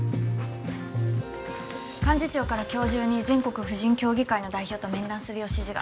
幹事長から今日中に全国婦人協議会の代表と面談するよう指示が。